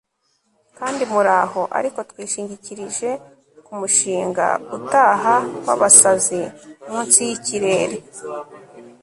kandi muraho ariko twishingikirije ku mushinga utaha w'abasazi munsi y'ikirere